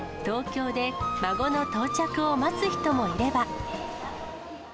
東京で孫の到着を待つ人もいれば。